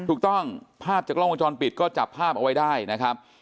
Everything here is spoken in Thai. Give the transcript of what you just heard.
ภาพจากกล้องวงจรปิดก็จับภาพเอาไว้ได้นะครับ